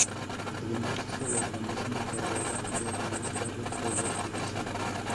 Además, es el organismo encargado de administrar el Poder Judicial.